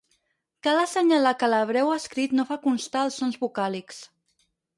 Cal assenyalar que l'hebreu escrit no fa constar els sons vocàlics.